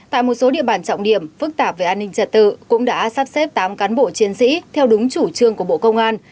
tại một số địa bàn trọng điểm phức tạp về an ninh trật tự cũng đã sắp xếp tám cán bộ chiến sĩ theo đúng chủ trương của bộ công an